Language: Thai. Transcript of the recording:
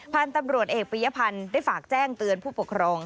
พันธุ์ตำรวจเอกปียพันธ์ได้ฝากแจ้งเตือนผู้ปกครอง